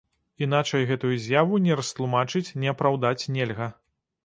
Іначай гэтую з'яву ні растлумачыць, ні апраўдаць нельга.